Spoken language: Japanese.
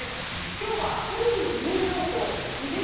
今日は去年の優勝校、智弁